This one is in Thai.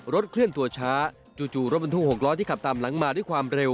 เคลื่อนตัวช้าจู่รถบรรทุก๖ล้อที่ขับตามหลังมาด้วยความเร็ว